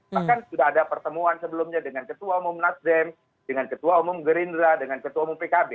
bahkan sudah ada pertemuan sebelumnya dengan ketua umum nasdem dengan ketua umum gerindra dengan ketua umum pkb